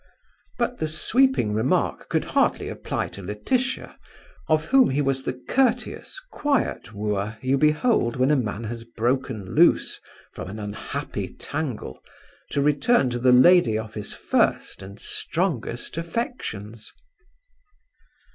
But the sweeping remark could hardly apply to Laetitia, of whom he was the courteous, quiet wooer you behold when a man has broken loose from an unhappy tangle to return to the lady of his first and strongest affections.